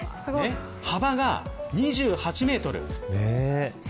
幅が２８メートル。